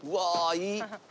いい！